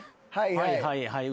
はいはい。